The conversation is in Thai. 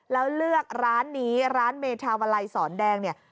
แล้วเลือกร้านนี้ร้านเมธามาลัยสอนแดงเนี่ย